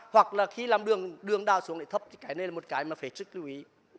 hoặc là khi làm đường đường đào xuống lại thấp cái này là một cái mà phải trích lưu ý